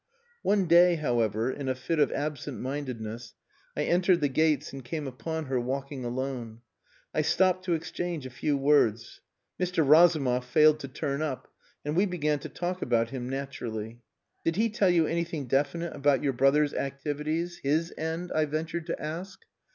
One day, however, in a fit of absent mindedness, I entered the gates and came upon her walking alone. I stopped to exchange a few words. Mr. Razumov failed to turn up, and we began to talk about him naturally. "Did he tell you anything definite about your brother's activities his end?" I ventured to ask.